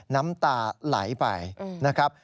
น้ำตาไหลไปนะครับ